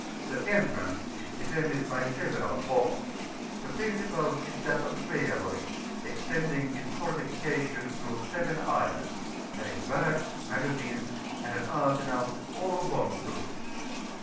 The entrance is defended by several forts; the principal is that of Sweaborg, extending its fortifications through seven islands, having barracks, magazines, and an arsenal,^ bomb proof.